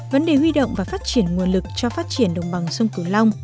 vấn đề huy động và phát triển nguồn lực cho phát triển đồng bằng sông cửu long